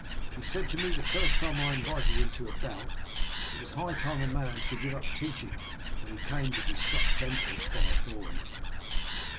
He said to me the first time I invited him to a bout, it was high time a man should give up teaching when he came to be struck senseless by a boy."